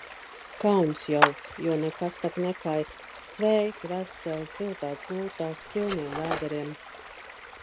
Kauns jau, jo nekas tak nekait – sveiki, veseli, siltās gultās, pilniem vēderiem.